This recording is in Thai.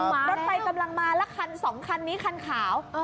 รถไฟกำลังมาแล้วคันสองคันนี้คันขาว